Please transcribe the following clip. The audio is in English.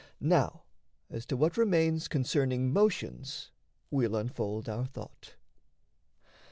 Now as to what remains Concerning motions we'll unfold our thought.